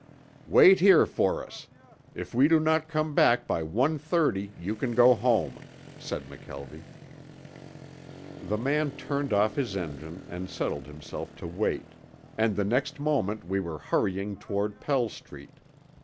"Wait here for us. If we do not come by one thirty, you can go home," said McKelvie. The man turned off his engine and settled himself to wait, and the next moment we were hurrying toward Pell Street.